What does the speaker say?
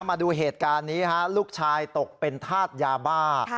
มาดูเหตุการณ์นี้ฮะลูกชายตกเป็นธาตุยาบ้า